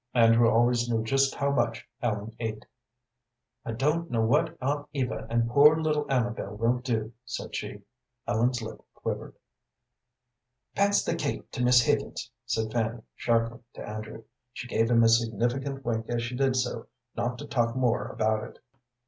Andrew always knew just how much Ellen ate. "I don't know what Aunt Eva and poor little Amabel will do," said she. Ellen's lip quivered. "Pass the cake to Miss Higgins," said Fanny, sharply, to Andrew. She gave him a significant wink as she did so, not to talk more about it.